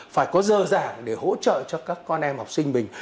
phải có dơ giảng để hỗ trợ cho các con em học sinh mình